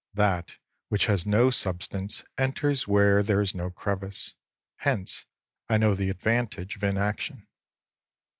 That which has no substance enters where there is no crevice. Hence I know the advantage of inaction.